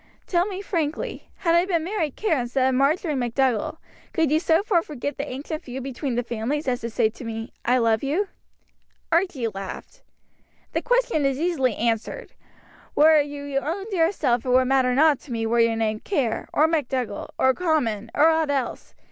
Tell me frankly, had I been Mary Kerr instead of Marjory MacDougall, could you so far forget the ancient feud between the families as to say to me, 'I love you.'" Archie laughed. "The question is easily answered. Were you your own dear self it would matter nought to me were your name Kerr, or MacDougall, or Comyn, or aught else.